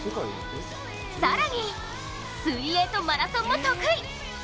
更に水泳とマラソンも得意。